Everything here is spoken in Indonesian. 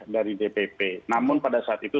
dari dpp namun pada saat itu